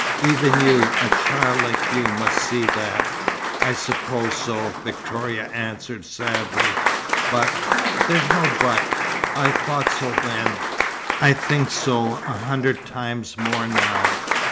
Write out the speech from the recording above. Even you, a child like you, must see that?" "I suppose so," Victoria answered, sadly. "But " "There's no 'but.' I thought so then. I think so a hundred times more now.